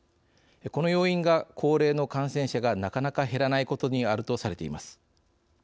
この要因が高齢の感染者がなかなか減らないことにあるとされています。